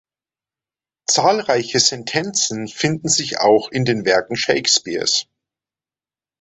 Zahlreiche Sentenzen finden sich auch in den Werken Shakespeares.